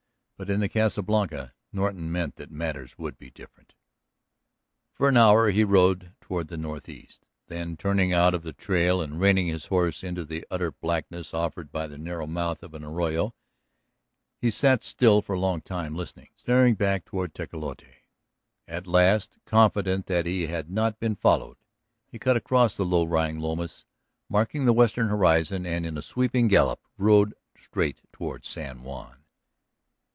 But in the Casa Blanca Norton meant that matters should be different. For an hour he rode toward the northeast. Then, turning out of the trail and reining his horse into the utter blackness offered by the narrow mouth or an arroyo, he sat still for a long time, listening, staring back through the night toward Tecolote. At last, confident that he had not been followed, he cut across the low lying lomas marking the western horizon and in a swinging gallop rode straight toward San Juan.